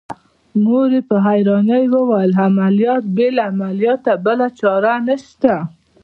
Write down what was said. مور يې په حيرانۍ وويل عمليات بې له عملياته بله چاره نشته.